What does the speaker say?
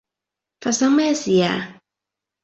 發生咩事啊？